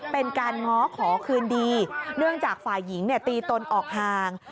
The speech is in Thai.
เป็นการง้อขอคืนดีเนื่องจากฝ่ายหญิงตีตนออกห่าง